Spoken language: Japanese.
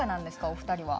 お二人は。